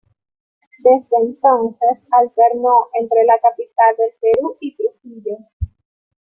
Desde entonces alternó entre la capital del Perú y Trujillo.